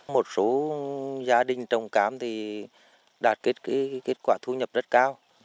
một số gia đình trồng cam thì đạt kết quả thu nhập rất cao